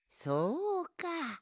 そうか。